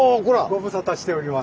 ご無沙汰しております。